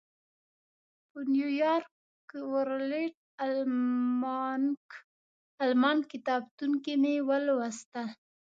په نیویارک ورلډ الماناک کتابتون کې مې ولوستل.